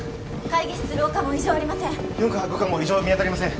会議室廊下も異常ありません